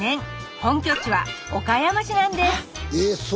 本拠地は岡山市なんです